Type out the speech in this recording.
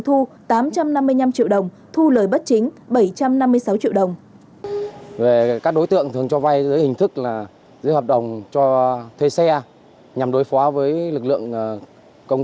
thu tám trăm năm mươi năm triệu đồng thu lời bất chính bảy trăm năm mươi sáu triệu đồng